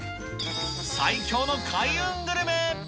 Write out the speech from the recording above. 最強の開運グルメ。